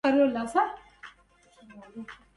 أين الجواب وأين رد رسائلي